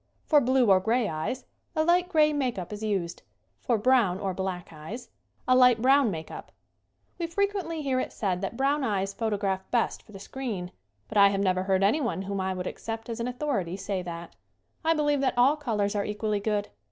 For blue or gray eyes, a light gray make up is used; for brown or black eyes, a light brown make up. We frequently hear it said that brown eyes photograph best for the screen, but I have never heard anyone whom I would accept as an authority say that. I believe that all colors are equally good.